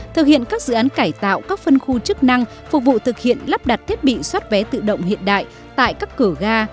thực hiện các dự án cải tạo các phân khu chức năng phục vụ thực hiện lắp đặt thiết bị xoát vé tự động hiện đại tại các cửa ga